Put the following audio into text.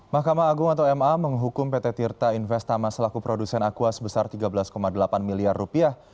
mahkamah agung atau ma menghukum pt tirta investama selaku produsen aqua sebesar tiga belas delapan miliar rupiah